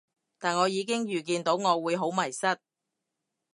但我已經預見到我會好迷失